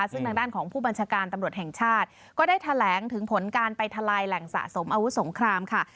ซึ่งทางด้านของผู้บัญชาการตำรวจแห่งชาติก็ได้แถลงถึงผลการไปทลายแหล่งสะสมอาวุธสงครามค่ะ